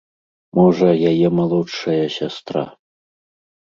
Можа, яе малодшая сястра.